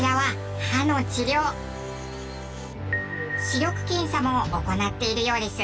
視力検査も行っているようです。